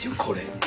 これ。